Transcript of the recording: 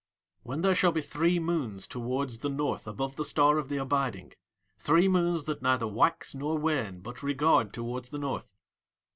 When there shall be three moons towards the north above the Star of the Abiding, three moons that neither wax nor wane but regard towards the North.